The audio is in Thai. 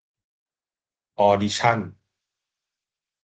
ออดิชั่น